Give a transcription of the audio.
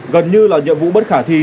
gần như là nhiệm vụ bất khả thi